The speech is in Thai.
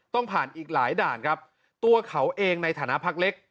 ต้องผ่านอีกหลายด่านครับตัวเขาเองในฐานะพักเล็ก